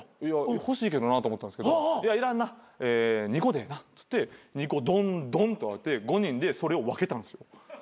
欲しいけどなと思ったんすけどいらんな２個でええなっつって２個ドンドンと５人でそれを分けたんすよ。